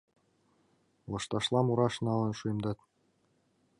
Лышташла мураш налын шуэмдат.